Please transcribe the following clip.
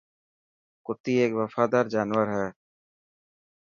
ڪتي هڪ وفادار جانور آهي.